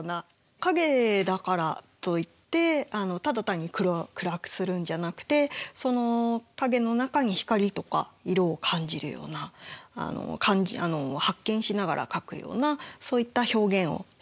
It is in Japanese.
影だからといってただ単に暗くするんじゃなくてその影の中に光とか色を感じるような発見しながら描くようなそういった表現をしてますね。